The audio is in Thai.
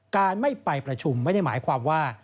การไม่ไปประชุมไม่ได้หมายความว่า